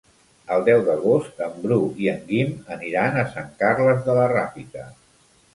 El deu d'agost en Bru i en Guim aniran a Sant Carles de la Ràpita.